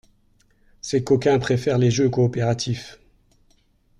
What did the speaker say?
Ces coquins préfèrent les jeux coopératifs.